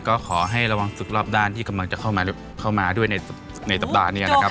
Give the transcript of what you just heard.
ก็ขอให้ระวังศึกรอบด้านที่กำลังจะเข้ามาด้วยในสัปดาห์นี้นะครับ